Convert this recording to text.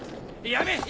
やめ！